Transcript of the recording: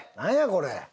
これ。